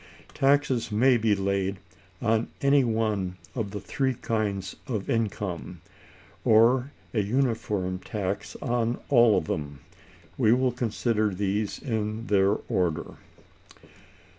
Taxes may be laid on any one of the three kinds of income, or a uniform tax on all of them. We will consider these in their order.